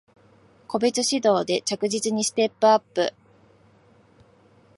個別指導で着実にステップアップ